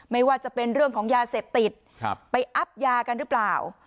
ไม่ว่าจะเป็นเรื่องของยาเสพติดไปอับยากันหรือเปล่า